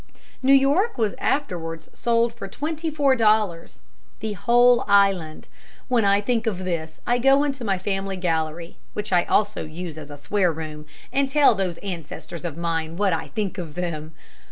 New York was afterwards sold for twenty four dollars, the whole island. When I think of this I go into my family gallery, which I also use as a swear room, and tell those ancestors of mine what I think of them.